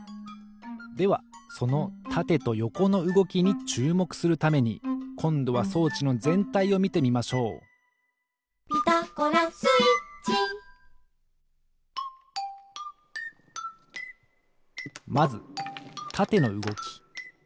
ではそのたてとよこのうごきにちゅうもくするためにこんどは装置のぜんたいをみてみましょう「ピタゴラスイッチ」まずたてのうごき。